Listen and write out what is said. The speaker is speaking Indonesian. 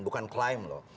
bukan klaim loh